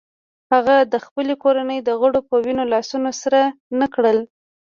هغه د خپلې کورنۍ د غړو په وینو لاسونه سره نه کړل.